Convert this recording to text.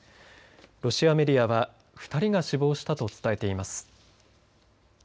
ロシアメディアは２人が死亡したと伝えています。